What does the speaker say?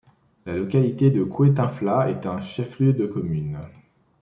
La localité de Kouétinfla est un chef-lieu de commune.